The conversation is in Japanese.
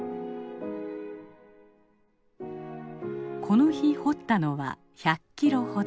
この日掘ったのは１００キロほど。